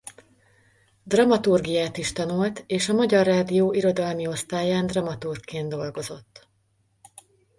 Dramaturgiát is tanult és a Magyar Rádió Irodalmi Osztályán dramaturgként dolgozott.